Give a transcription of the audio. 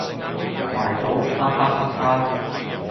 埋土哈哈哈哈